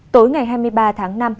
tối ngày hai mươi ba tháng năm